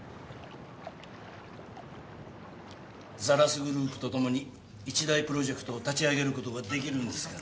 ザラスグループとともに一大プロジェクトを立ち上げることができるんですから。